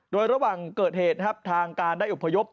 โดยระหว่างเกิดเหตุทางการได้อุปโภยบ